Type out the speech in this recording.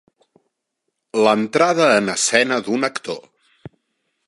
L'entrada en escena d'un actor.